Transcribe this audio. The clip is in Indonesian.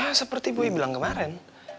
ya seperti buya bilang kemarin